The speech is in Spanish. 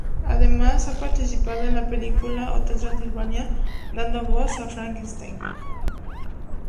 Además ha participado en la película "Hotel Transylvania" dando voz a Frankenstein.